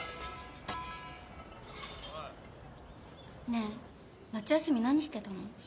ねえ夏休み何してたの？